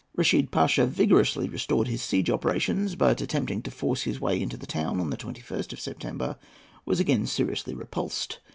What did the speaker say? Reshid Pasha vigorously restored his siege operations, but, attempting to force his way into the town on the 21st of September, was again seriously repulsed.